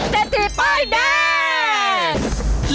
เจนที่ป้อยแดง